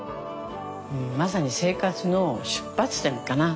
まさに生活の出発点かな。